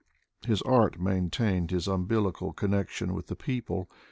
His art maintained his umbilical connection with the people.